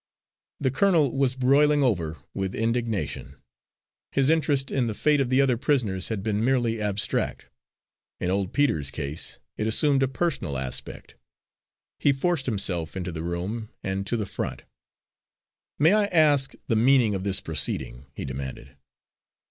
The colonel was boiling over with indignation. His interest in the fate of the other prisoners had been merely abstract; in old Peter's case it assumed a personal aspect. He forced himself into the room and to the front. "May I ask the meaning of this proceeding?" he demanded.